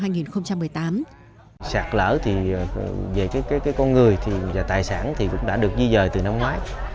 giặt lở thì về cái con người và tài sản thì cũng đã được di rời từ năm ngoái